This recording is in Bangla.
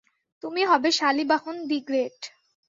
তুমি হবে শালীবাহন দি গ্রেট।